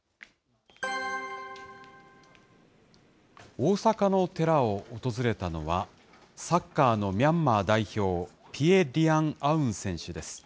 大阪の寺を訪れたのは、サッカーのミャンマー代表、ピエ・リアン・アウン選手です。